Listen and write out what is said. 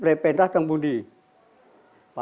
koreka disandarkan pada pohon